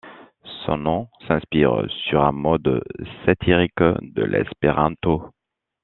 Ce nom s'inspire sur un mode satirique de l'espéranto.